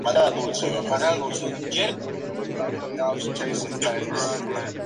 Es nativo del norte de Queensland sobre la costa noreste de Australia.